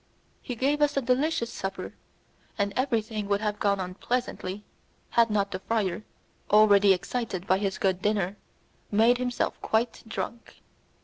He gave us a delicious supper, and everything would have gone on pleasantly had not the friar, already excited by his good dinner, made himself quite drunk.